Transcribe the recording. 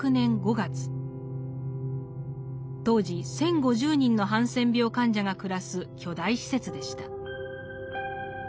当時１，０５０人のハンセン病患者が暮らす巨大施設でした。